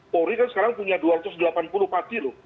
polri kan sekarang punya dua ratus delapan puluh pati loh